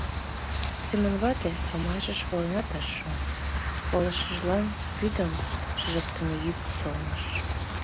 Семон вате памашыш воленат ыш шу, пылышыжлан вӱдым шыжыктыме йӱк солныш.